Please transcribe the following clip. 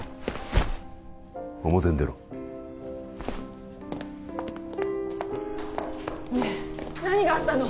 表に出ろねえ何があったの？